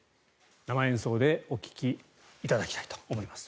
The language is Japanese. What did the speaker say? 生演奏でお聴きいただきたいと思います。